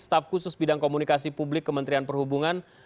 staf khusus bidang komunikasi publik kementerian perhubungan